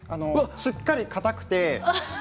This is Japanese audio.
しっかりかたくて。